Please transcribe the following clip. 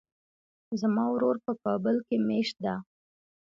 زما ورور په کابل کې ميشت ده.